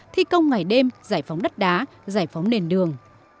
thi công ngày đêm giải phóng đất đá giải phóng nền đường